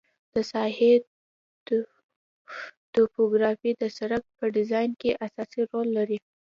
د ساحې توپوګرافي د سرک په ډیزاین کې اساسي رول لري